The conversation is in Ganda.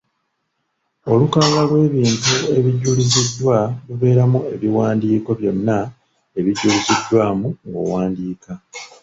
Olukalala lw’ebintu ebijuliziddwa lubeeramu ebiwandiiko byonna ebijuliziddwamu ng’owandiika.